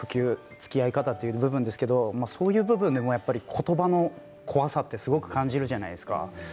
つきあい方という部分ですけれどそういう部分でも言葉の怖さってすごく感じるじゃないですか。